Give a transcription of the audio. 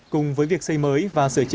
cùng với việc xây mới và sửa chữa